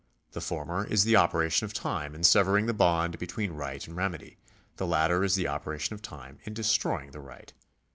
The former is the operation of time in severing the bond between right and remedy ; the latter is the operation of time in destroying the right.